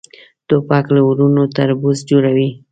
توپک له ورور تربور جوړوي.